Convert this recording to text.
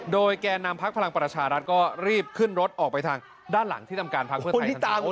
โดยแก่นำพักพลังประชารัฐก็รีบขึ้นรถออกไปทางด้านหลังที่ทำการพักเพื่อไทย